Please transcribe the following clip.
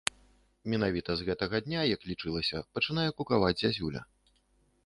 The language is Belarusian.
Менавіта з гэтага дня, як лічылася, пачынае кукаваць зязюля.